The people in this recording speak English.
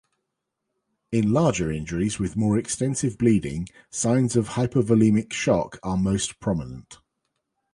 In larger injuries with more extensive bleeding, signs of hypovolemic shock are most prominent.